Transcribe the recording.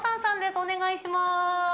お願いします。